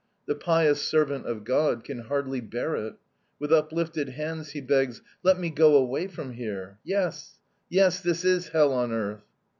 The pious servant of God can hardly bear it. With uplifted hands he begs: 'Let me go away from here. Yes, yes! This is hell on earth!'